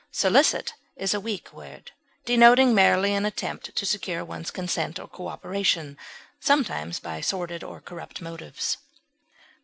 Solicit is a weak word denoting merely an attempt to secure one's consent or cooperation, sometimes by sordid or corrupt motives.